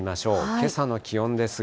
けさの気温ですが。